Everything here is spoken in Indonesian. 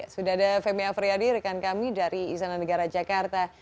sudah ada femi afriyadi rekan kami dari istana negara jakarta